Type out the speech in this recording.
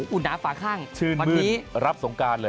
อุ่นน้ำฝาข้างชื่นมืนรับสงการเลย